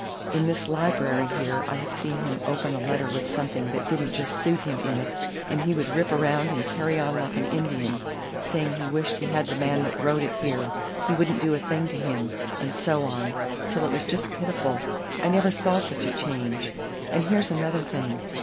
In this library here I have seen him open a letter with something that didn't just suit him in it, and he would rip around and carry on like an Indian, saying he wished he had the man that wrote it here, he wouldn't do a thing to him, and so on, till it was just pitiful. I never saw such a change. And here's another thing.